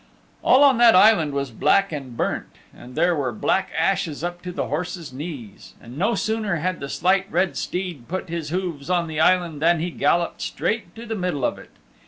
All on that Island was black and burnt, and there were black ashes up to the horse's knees. And no sooner had the Slight Red Steed put his hooves on the Island than he galloped straight to the middle of it.